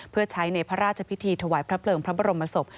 เพื่อใช้ในพระราชพิธีถวายพระเพลิงพระบรมศพ